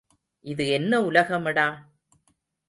இது என்ன உலகமடா?